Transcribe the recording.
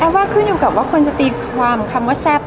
แล้วว่าขึ้นอยู่กับว่าคนจะตีความคำว่าแซ่บ